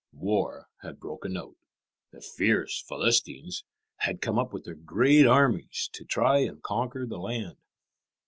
War had broken out. The fierce Philistines had come up with their great armies to try and conquer the land.